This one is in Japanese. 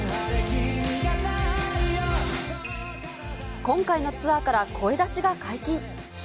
今回のツアーから声出しが解禁。